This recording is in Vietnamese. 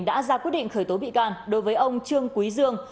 đã ra quyết định khởi tố bị can đối với ông trương quý dương